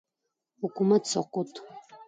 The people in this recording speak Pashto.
حکومت سقوط